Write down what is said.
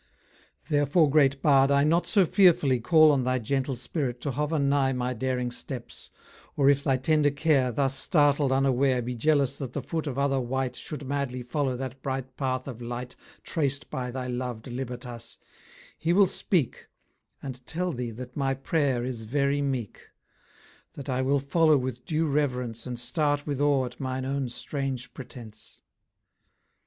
Therefore, great bard, I not so fearfully Call on thy gentle spirit to hover nigh My daring steps: or if thy tender care, Thus startled unaware, Be jealous that the foot of other wight Should madly follow that bright path of light Trac'd by thy lov'd Libertas; he will speak, And tell thee that my prayer is very meek; That I will follow with due reverence, And start with awe at mine own strange pretence.